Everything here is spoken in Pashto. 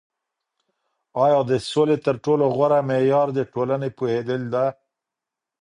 آیا د سولي تر ټولو غوره معیار د ټولني پوهیدل ده؟